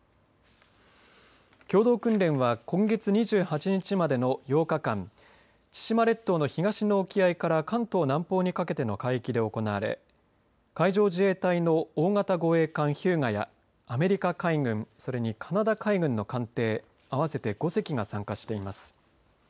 共同訓練は今月２８日までの８日間千島列島の東の沖合から関東南方にかけての海域で行われ海上自衛隊の大型護衛艦ひゅうがやアメリカ海軍それにカナダ海軍の艦艇合わせて５隻が参加しています。